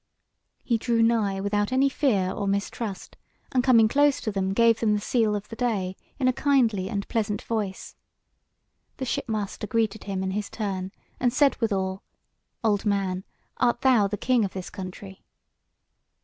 He drew nigh without any fear or mistrust, and coming close to them gave them the sele of the day in a kindly and pleasant voice. The shipmaster greeted him in his turn, and said withal: "Old man, art thou the king of this country?"